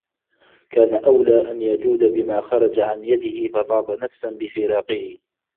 كَانَ أَوْلَى أَنْ يَجُودَ بِمَا خَرَجَ عَنْ يَدِهِ فَطَابَ نَفْسًا بِفِرَاقِهِ